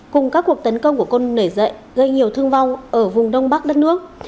cùng các cuộc tấn công của con nể dậy gây nhiều thương vong ở vùng đông bắc đất nước